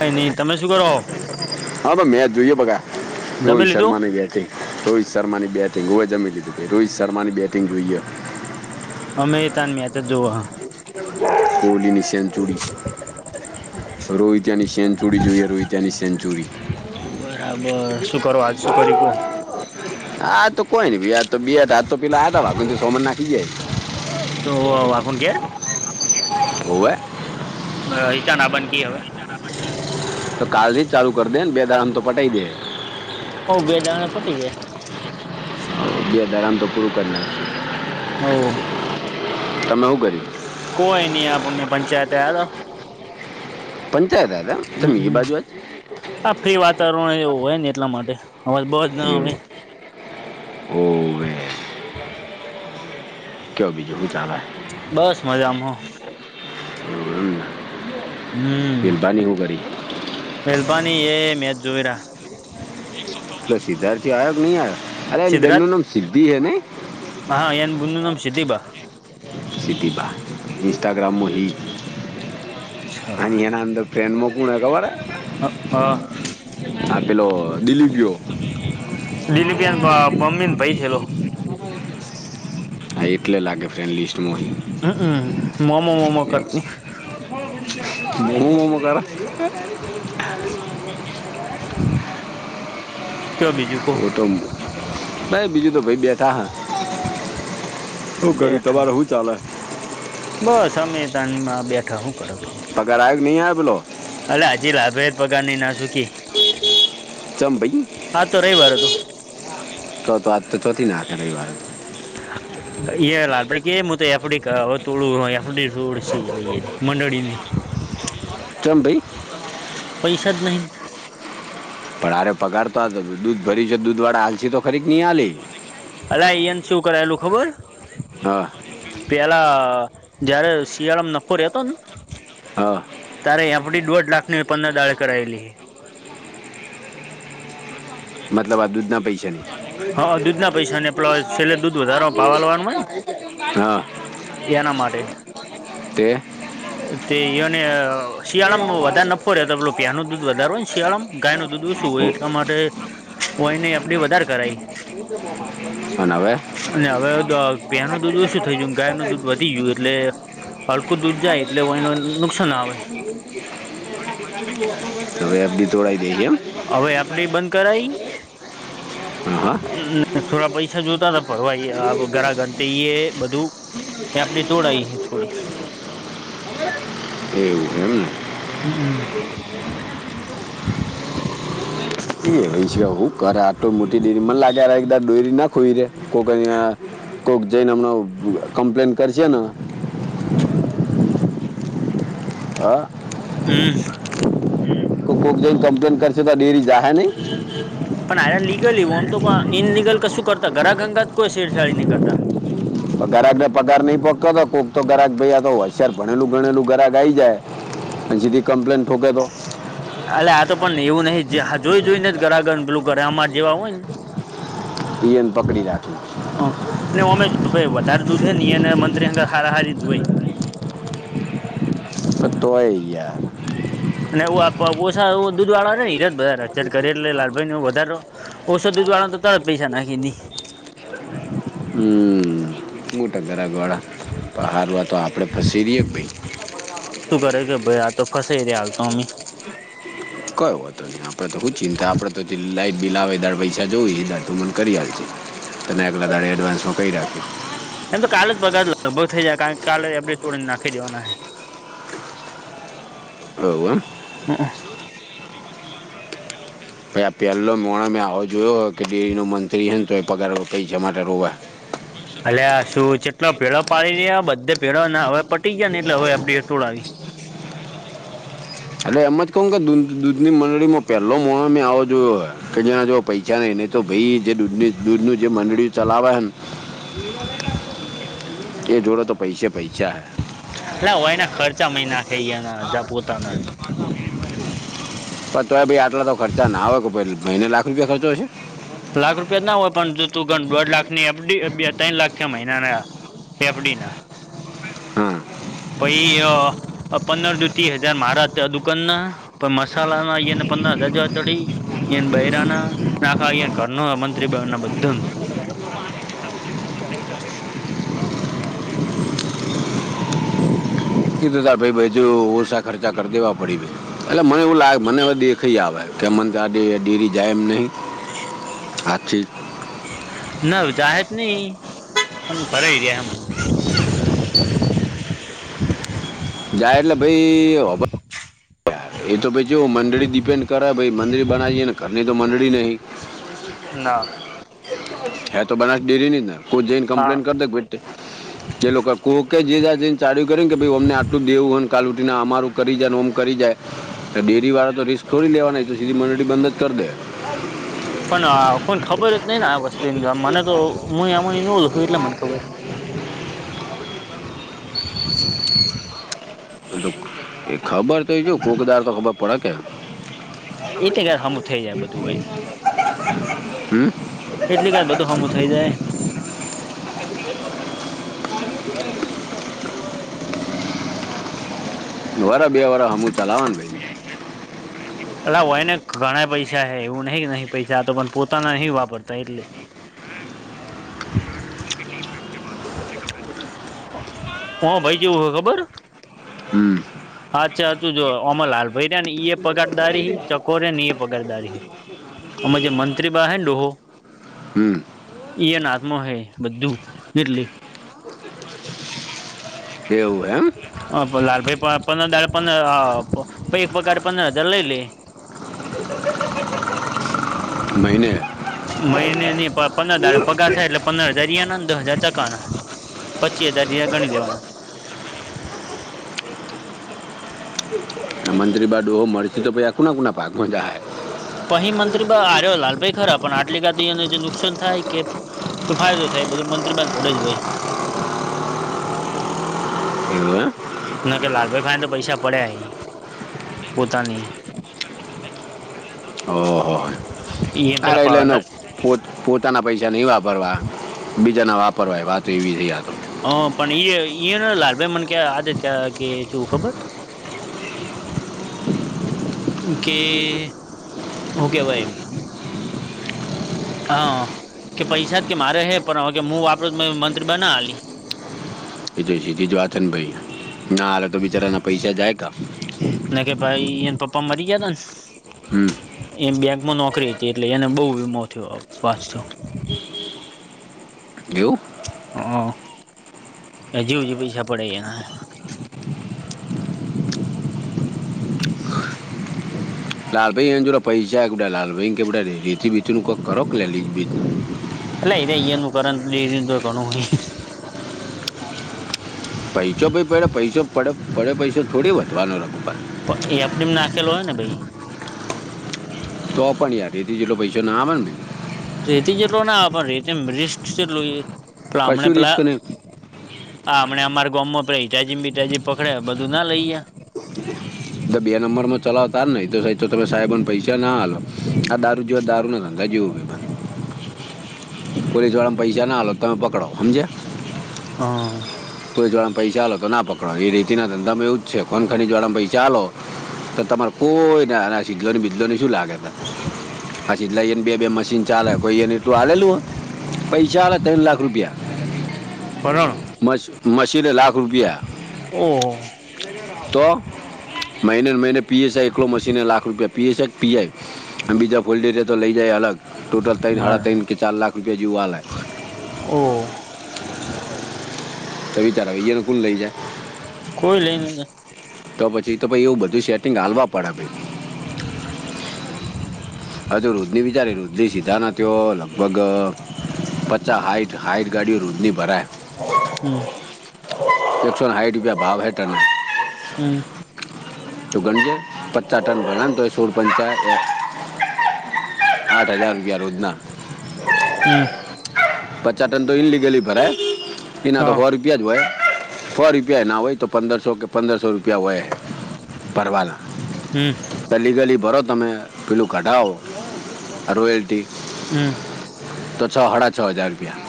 હ ન તમમેશ કરો. હા ભાઈ મેચ જોઈએ બગા જમી રોહિત લીધું શર્મા ની બેટિંગ. રોહિત શર્માની બેટિંગ હું જમી લીધું ભાઈ રોહિત શર્માની બેટિંગ જોઈએ. અમેં ત મે આચ જ જોવ હા. કોહલી ની સેન્ચુડી રોહતા ની સેન્ચુ. છોડી જોઈએ ર ત્યાંની સેન્ચુરી. બરા અબ સુકરો આજ સુકરી કો. હા તો કોઈ ભી આ તો તો પેલા આા ભ સોમ નાખ. જ તો વાખુન ઘેર ઓ એ. રહીચા નાબનકી હવે. તો કાલથી જ ચાલુ કરી દે ને બે દારમ તો પટી દે. હ બેદંગ પટીી જે દારમ તો પૂરું કરના છે. હ. તમે હું કર્યું. કોઈ ન આપમે પંચાયત આ હતા. પંચાયત હતા હતા તમે એ બાજુ જ. આ ફ્રી વાતાવરણ એવું હોય ને એટલા માટે હવે બસ. એવું હોવે. કયો બીજું શું ચાલે? બસ મજામાં હો. હ, બિમબાની હો કરીરી. મહેલબાની એ મેચ જોઈ રહ. એ સિદ્ધાર્થી આવયો કે નહી આવ્યો? અરે બેન સિદ્ધરાજ નું નામ સિદ્ધિ હે ને? હા એન બંદ નમ સીદીબા. સટી બા ઇન્સ્ટાગ્રામમાં અને અચ્છા એનાંદર ટ્રેન મોકુને કવારે આપ પેલો દિલીપ. દિલીપિયાન બમ્બીને પૈ થેલો. આ એટલે લાગે ફ્રેન્ડ લિસ્ટમાંહી. હમમ મોમો વમો કટની. મોમમો કર? હમ. તો બીજું ઓ તો ભાઈ બીજું તો ભાઈ બેઠા હા. શું કર્યું બેઠા તમારે શું ચાલે? બસ અમે તમાં બેઠા શું કરો. કરા નહીં આવે બલો? અ હજી લાભેર પગારની ના સુખી. જંભાઈ? હા તો રવિવાર હતો. ચ તો વાજ તો ચોથી નાખે રવિરે. હ. એ લાલ પડ કે હું તો એડી તોળું એડીડ મંડળીની. ચંબઈ પૈસા જ નહી. પણ હરે પગાર તો આ દૂધ ભરી છે દૂધવાળા હાલસી તો ખરી નિહાલી. અરે એ એમ શું કરાયેલું ખબર. હા. પેલા જયારે શિયાળામાં નફોરતો ને. હા. તારે એં પી દોઢ લાખની પંદર દાળે કરાયેલી. મતલબ આ દૂધ ના પૈસા નહી? હ દૂધના પૈસાને પ્લસ છેલ્લે દૂધ વધારો ભાવ આલવાનો હોય હા. એના માટે. તે? તે એને શિયાળામાં વધારે નફો રે તો પલો પ્યાનું દૂધ વધારારે હોય ને શિયાળામાં ગાય નનું દૂધ ઓછું હોય ઓ, એટલા માટે. હોય ન અડી વધારે કરાઈ શ નાવે? અને હવે પેનું દૂધ ઓછું થઈ ગયું ગાય નું દૂધ વધી ગયું એટલે હડકું દૂધ જાય એટલે હોને નુકસાન આવે. હવે એ બધી તોડાય દે છે એમ. હવે આપડી બંધ કરાઈ. હમ. થોડા પૈસા જોતા ફરવા ઘરા ગંતઈ બધું. એ આપડી તોડાય છે થોડી. એવું એમને હમ્મ હમ્મ એ એ છે હું કર આટ મોટી ડેરી મને લાગે એકદ ડોરી ના ખોઈ રે કો કોઈ જેને હમણા કમપ્લેન કરે છે ને હા હમ્મ કોક કોક જાયને કમ્પ્લેન કરશે તો ડેરી જાાય નહી પણ આ લીગલવું આમ તોઈ ઈનલિગલ કશું કરતા ઘરા ઘધા જ કોઈ શેરછાડી નહીં કરતા ગરાક ને પગાર નઈ પક્યો કોઈક તો ગરાક ભયા તો હોશિયાર ભણેલું ગણેલું ગરાક આઈ જાય અને સીધી કમ્પ્લેન ઠોકે તો અલે આ તો પણને એવું નહ જોઈ જોઈ ને જ ગરાગ પેલું કરે અમાર જેવા હોય ને એને પકડી રાખો હ ને અમે વધારે દૂધે નહી અને મંત્રી અંગર હારા હારી હોય તોય આઈ ગ્યા અને ઓછા દૂધ વાળા આવે ને હીરા વધ હાર કરે એટલે લાલભાઈ ને વધરો [unintelligible] હમ્મ મોટા ગરા ગ વાળા હારવા તો આપડે ફસી દઈએે ભાઈ શું કરે કે ભાઈ આ તો ફસે રે હાલ તો અમ કયો હતો નહી આપડે તો [unintelligible] તને એટલા દાડ એડવાન્સનો કયા રક એમ તો કાલે જ પગાર જ લગભગ થઈ જાય કારણ કાલે એડે તોડીને નાખી દેવાના હ હ હ ભાઈ આ પહેલો મણા મેં આવો જોયો હોય કે ડેરીનો મંત્રી છે ને તો એ પગાર કં જ માટે રોવાય અલે આ શું જેટલો પેળો પાડી રહ્યા બધે પેળો હવે પટી ગયા ને એટલે હવે આપ હટુળ આવી એટલે એમ જ કહ કે દૂધ ની મંડળીમાં પેલો મો મે આવો જો કે જે જો પૈસાા નને તો ભાઈ જે દૂધ દૂધ ન જે મંડળી ચલાવેને એ જોડે તો પૈસે પૈસા એ હો એના ખર્ચા [unintelligible] પોતાના જ પ તોય ભાઈ આટલા તો ખર્ચા ના હોય કે પ મહિને લાખ રૂપિયા ખર્ચો હશે લાખ રૂપિયા જ ના હોય પણ જો તું ઘ દોઢ લાખ ની અ બે ત્રણ લાખ છે મહિના ના પેપડીના હમ્મ પછી પંદર દ ત્રીસ હજાર માાર હતા દુકાનના મસાાલા ના્યને પ દજતોડી એ ભૈરાના નાકાન કર્ણ મંત્રી બળના બધન કીધું ત ભાઈજ ઓછા ખર્ચા કરી દેવા પડી દે એટલે મને એવું લાગે મને દે રાખી આ આવે કે મન ગ આડીે ડેરી જાયમ નહીં આછી નાજાહે નહી પણ ભરાય જાય એમ જાય એટલે ભાઈ હબ એ તો ભ જો મંડળી ડિપેન્ડ કરે [unintelligible] ના હે તો બનાસ ડેરી ની જ ને કોઈ જઈને હા કમ્પ્લેન કરી દે એ લોકો કોકે જેને ચાલુ કરે કે ભાઈ અમને આટલું દેવું કાલ ઉટીને અમારું કરી જાયને ઓમ કરી જાય ડેરી વાળા તો રિસ્ક થોડી લેવા ન તો સીધી મંડળી બંધ જ કરી દે પણ કોને ખબર જ નહી ને આ વસ્તુની મને તો હું આમાં નય એટલે મને ખબર એ ખબર તો જો કોકદાર તો ખબર પડે કે એટલે કે હમું થઈ જાય બધું હોય હમ્મ એટલી કે બધું હમું થઈ જાય. વરા બે વર હમું ચલાવવાનુ ભાઈ પટલા હોય ને ઘણા પૈસા હે એવું નહ નહી પૈસા તો પણ પોતાના નહિ વાપરતા એટલે હો ભાઈ જેવું હ ખબર હમ. અચ્છાચું જો અમર લાલ ભાઈ રે ને ઈએ પગારદારી ચકો ર ને ઈએ પગારદારી એમા જે મંત્રી અહે ને ડોબો હમ ઈ એના હાથમાં હે બધું એટલે એવું એમ [inaudible] પગારે પંદર હજાર લઈ લે મઈને મહિને ની પંદર દાડે પગાર થાય એટલે પંદર હજાર એના અને દહ હજાર ચકા ના પચી હજાર જે ગણી લેવાના એમા અંજલિ બહાર ડોહો મરશે તો ભી આ કોના કોના ભાગમાંશ જાયહે પંરી મત્ર બા આરો લાલભાઈ [unintelligible] એને નુકસાન થાય કે ફાયદો થાય બધો મંત્રીબાન પડે જ હોય [inaudible] નકર લાલ ભાઈ પૈસા પડયા હેઈ પોતાની ઓહો ઈ એમ આ પેલા એટલે પાન એ અ પોત પોતાના પૈસા ની વાપરવા બીજાના વાપરવાય વાત એવી થઈ આત અ ઈય ઈયર લાલભાઈ મને [unintelligible] કે ખબર કે હુંકેવાય હા કે પૈસા મારે હે પણ [unintelligible] [unintelligible] બિચારાના પૈસા જાય કા નાને કે ભાઈને પપ્પા મરી ગયાતા ને હમ એ બેંકમાં નોકરી હતી એટલે એને બો વીમો થયો વાચ થયો એવું હા આ હજુ હજુ પૈસા પડાયા [unintelligible] એટલે અહીંયા કરેત લીજન તો ઘણું હે [unintelligible] પૈસો થોડી વધવાનો રઘુપત એ એપ ડી નાખેલો હોય ને ભાઈ તો પણ યાર હતી જેટલો પૈસો ના આવેને ભાઈ રેતી જેટલો ના પણ કશું રેતી રિસ્ક નહીં [unintelligible] હામણા અમારાર ગામમમાં [unintelligible] [inaudible] તો બે નંબર માં ચલાવતાાર ને તો સાહેબ તો તમે સાહેબને પૈસા ના હાલો આ દારૂ જેવા દારૂ ના [unintelligible] પોલીસ વાળામાં પૈસા ના તમે પકડો સમજે હા પોલીસવાળામાં પૈસા આલો તો ના પકડો એ રીતિના ધંધા એવ જ છે કોન ખનીજ વાળામાં પૈસાઆલો [unintelligible] પછી એટ લઈને બે બે મશીન ચાલે કોઈ એને એલું આલું હો પૈસા આલે ત્રણ લાખ રુપિયા પરણ મ મશીને લાખ રૂપિયા ઓહો તો મહિનેને મહિને પી એસ આઈ એકલો મશીને લાખ રૂપિયા પી એસ આ પી આઈ બીજા ફોલ્ડ તો લઈ જાય અલગ ટોટલ તઈન હાડા તઈન મારા કે ચાર લાખ રૂપિયા જેવું ઓ તો વિચાર [unintelligible] કોન લઈ જાય કોઈ લેયન જાય તો પછી તો ભાઈ એવું બધું સેટિંગ હાલવા પડે ભાઈ [unintelligible] હાઈટ ગાડીઓ રોજની ભરાય હમ્મ એકસો હાઈઠ રૂપિયા ભાવ હે તા હમ્મ તો ગણજે પચાસ ટન ગણ ને તો સોલ પંચા [unintelligible] આઠ હજાર રૂપિયા રોજના હમ્મ પચા ટન તો ઇલીગલી ભરાય ઇના તો હા હો રૂપિયા જ હોય સો રૂપિયા ઈના હો તો પંદર સો કે પંદર સો રૂપિયા હોય પરવાલ હમ્મ તલીગલી ભરો તમે પેલું કઢાવો રોયલ્ટી હમ્મ તો છ હાડા છ હજાર રૂપિયા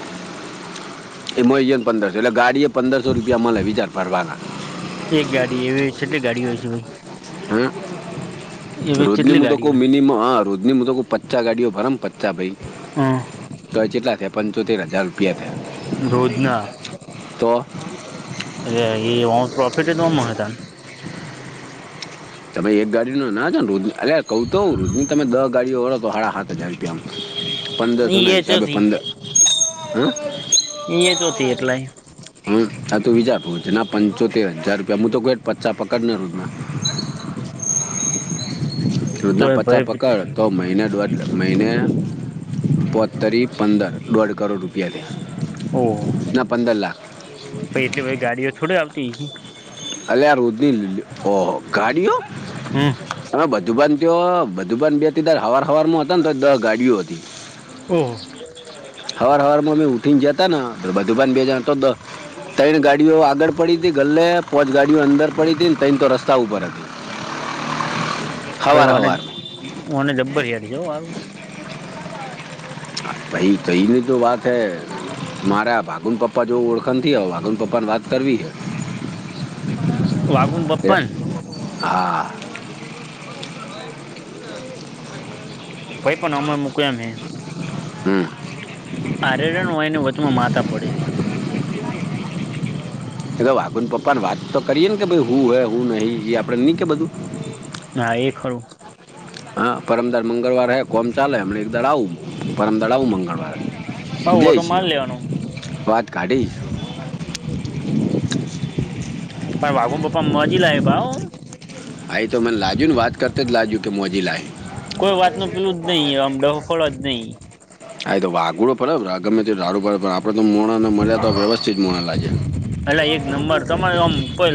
એમાંઈ એ પંદરસો એટલે ગાડી એ પંદરસો રૂપિયા મલે [unintelligible] ભરવાના એક ગાડી એવી ચેટલી ગાડી હોય છે ભાઈ હમ્મ એવી રોજ ની કેટલી મુ તો કઉ ગાડીઓ મિનમમ હા રોજ ની મુ કઉ પચ્ચા ગાડીઓ ભરન પચ્ચા ભાઈ હ તો ચેટલા થયા પંચોતેર હજાર રૂપિયા થયા. રોજના તો અ એ પ્રોફિટ નો મળે [unintelligible] તમે એક ગાડીઓ [unintelligible] રોજનું અરે કઉ તો રોજની તમે દ ગાડીઓ ગળો તો હાડા હાત હજાર પંદરસોના એ હિસાબે ચોથી પંદર એ ચો થી એટલાય હમ્મ હા આ તો વિચાર રોજ ના પંચોતેર હજાર રૂપિયા હું તો કોઈ પચા પકડ ને રોજના રોજ તો ના એ પચા ભાઈ પછી પકડ તો મહિને દોઢ મહિને પોચ તરી પંદર દોઢ કરોડ રૂ પિયા દે ના પંદર લાખ પન એટલે બધી ગાડીઓ થોડી આવતી હિસે અલ્યા રોજ ની ઓ ગાડીઓ [unintelligible] હમ્મ. [unintelligible] હવાર હવારમાં હતા ને તો દહ ગાડીઓ હતી. હમ્મ હવાર હવાર માં મે ઉઠીને જયા તા ન [unintelligible] ત્રણ ગાડીઓ આગળ પડી હતી ગલ્લે પોચ ગાડીઓ અંદર પડી તી ને તૈણ તો રસ્તા ઉપર હતી. હવાર [unintelligible] ઓને હવારમાં ઓને જબ્બર યાદ રે હો હારુ [unintelligible] તો વાત હૈ મારે આ ભાગુ ન પપ્પા જોડે ઓળખણથી હવ ભાગુ ન પપ્પા ને વાત કરવી હે વાગું ન એ- પપ્પા ન હા ભાઈ પણ અમાં [unintelligible] હમ્મ આરેરયો હોયની વચમાં માતા પડેલી એ વાગુ પપ્પાને વાત તો કરીએેને કે હું હે હું નહી આપડે નહી કે બધું હા એ ખરું હા પરમદાર મંગળવાર હે કોમ ચાલે હમણાં એકદાડો આવું પરમદાડે આવું હવ મંગળવાર ઓટો જઈશ એ માર લેવાનો વાત કાઢીશ પણ વાગુ ન પપ્પા મોજીલા હૈ પહા હો આ તો મેને લાજયુ ને વાત કરતા જ લાજયુ કે મોજિલા હે કોઈ વાત નું પેલું જ નહી આમ ડહફળ જ નહી હા તો વાઘડો બરાબ ગમે તો રાડું બાળું આપડે તો મોણા અને મળ્યા તો વ્યવસ્થિત મોણ લાગયા અલ્યા એક નંબર તમારે આમ કોઈ